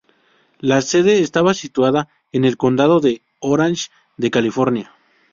La sede estaba situada en el Condado de Orange de California.